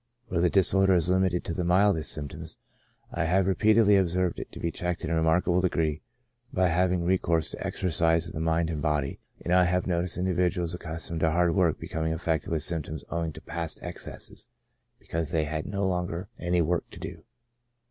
Where the dis order is limited to the mildest symptoms, I have repeatedly observed it to be checked in a remarkable degree by having recourse to exercise of the mind and body, and I have no ticed individuals accustomed to hard work become affected with symptoms owing to past excesses, because they had no longer any work to do.